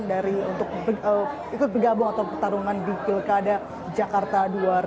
dari untuk ikut bergabung atau pertarungan di pilkada jakarta dua ribu delapan belas